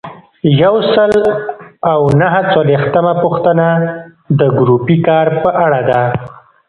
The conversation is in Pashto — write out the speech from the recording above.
یو سل او نهه څلویښتمه پوښتنه د ګروپي کار په اړه ده.